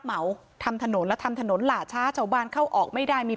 เหมาทำถนนและทำถนนหล่าช้าชาวบ้านเข้าออกไม่ได้มี